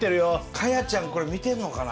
果耶ちゃんこれ見てんのかな。